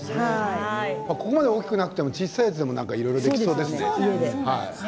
ここまで大きくなくも小さいものでもいろいろできそうですね。